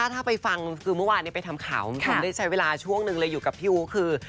ถ้าไปฟังคือเมื่อวานไปทำข่าวมันได้ใช้เวลาช่วงหนึ่งเลยอยู่กับพี่อู๋คือ